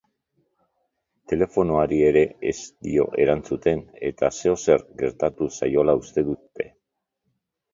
Telefonoari ere ez dio erantzuten eta zeozer gertatu zaiola uste dute.